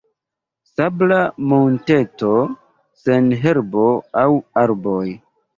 Sabla monteto sen herbo aŭ arboj.